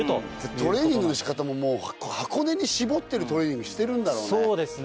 トレーニングの仕方も箱根に絞ってるトレーニングしてるんだろうね。